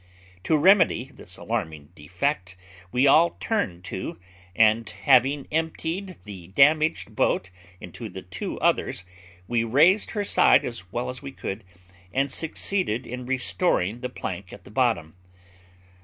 To remedy this alarming defect we all turned to, and having emptied the damaged boat into the two others, we raised her side as well as we could, and succeeded in restoring the plank at the bottom.